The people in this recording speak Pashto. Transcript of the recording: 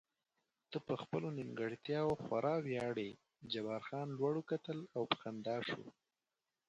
ته په خپلو نیمګړتیاوو خورا ویاړې، جبار خان لوړ وکتل او په خندا شو.